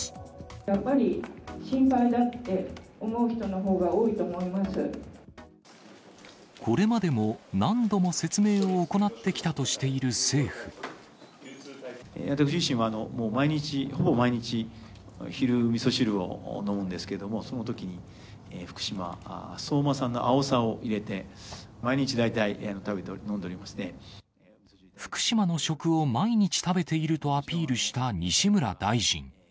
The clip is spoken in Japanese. やっぱり心配だって思う人のこれまでも何度も説明を行っ私自身はほぼ毎日、ほぼ毎日、昼、みそ汁を飲むんですけど、そのときに福島・相馬産のあおさを入れて、毎日大体食べて飲んで福島の食を毎日食べているとアピールした西村大臣。